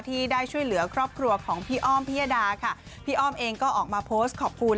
ที่ได้ช่วยเหลือครอบครัวของพี่อ้อมพิยดาค่ะพี่อ้อมเองก็ออกมาโพสต์ขอบคุณ